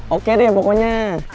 oke deh pokoknya